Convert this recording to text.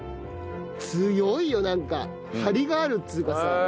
強いよなんか張りがあるっつうかさ。